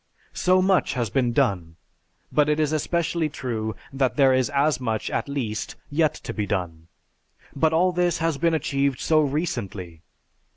So much has been done; but it is especially true that there is as much, at least, yet to be done. But all this has been achieved so recently.